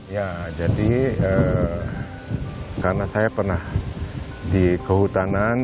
ya jadi karena saya pernah di kehutanan